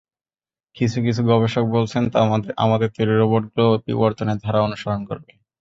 কিছু কিছু গবেষক বলছেন, আমাদের তৈরি রোবটগুলোও বিবর্তনের ধারা অনুসরণ করবে।